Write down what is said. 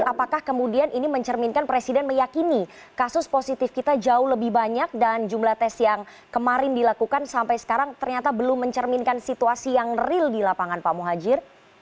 apakah kemudian ini mencerminkan presiden meyakini kasus positif kita jauh lebih banyak dan jumlah tes yang kemarin dilakukan sampai sekarang ternyata belum mencerminkan situasi yang real di lapangan pak muhajir